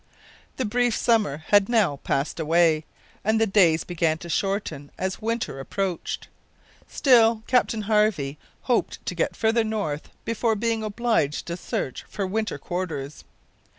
The brief summer had now passed away, and the days began to shorten as winter approached. Still Captain Harvey hoped to get farther north before being obliged to search for winter quarters.